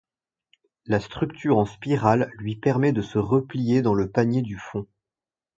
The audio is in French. La structure en spirale lui permet de se replier dans le panier du fond.